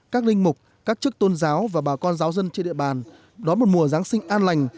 các linh mục các chức tôn giáo và bà con giáo dân trên địa bàn đón một mùa giáng sinh an lành